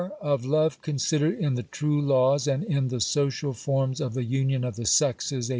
Of Love Considered in the True Laws and in the Social Forms of the Union of the Sexes," 1806.